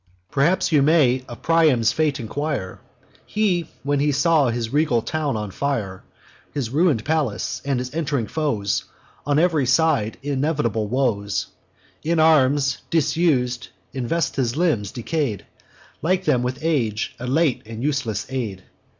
"Perhaps you may of Priam's fate enquire. He, when he saw his regal town on fire, His ruin'd palace, and his ent'ring foes, On ev'ry side inevitable woes, In arms, disus'd, invests his limbs, decay'd, Like them, with age; a late and useless aid.